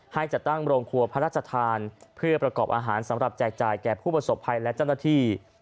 จะตั้งโรงครัวพระราชทานเพื่อประกอบอาหารสำหรับแจกจ่ายแก่ผู้ประสบภัยและเจ้าหน้าที่